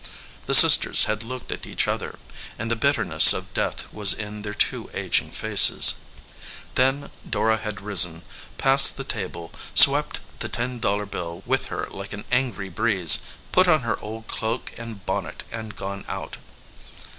The sisters had looked at each other, and the bit terness of death was in their two aging faces. Then Dora had risen, passed the table, swept the 77 EDGEWATER PEOPLE ten dollar bill with her like an angry breeze, put on her old cloak and bonnet and gone out.